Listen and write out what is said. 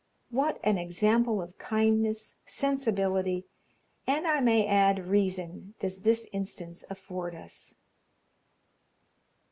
What an example of kindness, sensibility, and I may add reason, does this instance afford us!